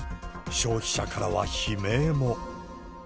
消費者からは悲鳴も。